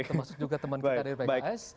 termasuk juga teman kita dari pks